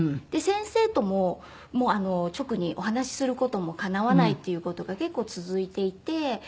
で先生とも直にお話しする事もかなわないっていう事が結構続いていて。